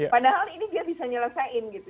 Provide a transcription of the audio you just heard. padahal ini dia bisa nyelesain gitu